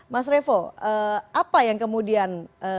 mas revo apa yang kemudian